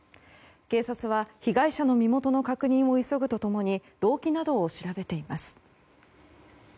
警察は被害者の身元の確認を急ぐと共に動機などを調べています。